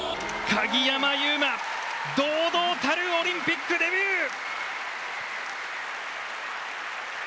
鍵山優真、堂々たるオリンピックデビュー！